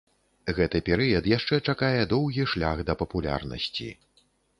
Гэты перыяд яшчэ чакае доўгі шлях да папулярнасці.